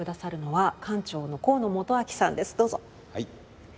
はい。